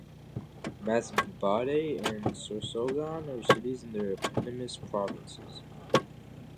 Masbate and Sorsogon are cities in their eponymous provinces.